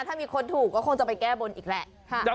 ถ้ามีคนถูกก็คงจะไปแก้บนอีกแหละ